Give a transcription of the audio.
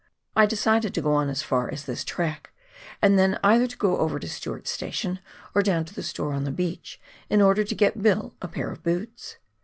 I decided to go on as far as this track, and then either go over to Stewart's station, or down to the store on the beach, in order to get Bill a pair of boots.